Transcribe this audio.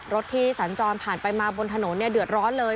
รถที่สัญจรผ่านไปมาบนถนนเนี่ยเดือดร้อนเลย